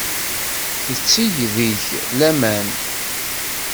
Tetteg deg-k laman.